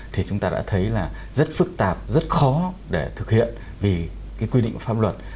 thì chúng ta đã thấy rất phức tạp rất khó để thực hiện vì quy định pháp luật